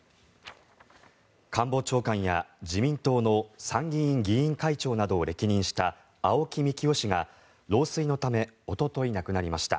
官房長官や自民党の参議院議員会長などを歴任した青木幹雄氏が、老衰のためおととい亡くなりました。